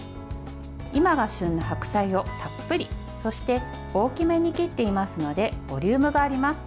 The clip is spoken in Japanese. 今が旬の白菜をたっぷりそして大きめに切っていますのでボリュームがあります。